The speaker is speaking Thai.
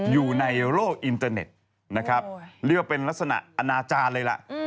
อยู่ในโลกอินเตอร์เน็ตนะครับเรียกว่าเป็นลักษณะอนาจารย์เลยล่ะ